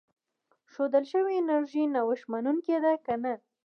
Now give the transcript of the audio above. ښودل شوې انرژي نوښت منونکې ده که نه.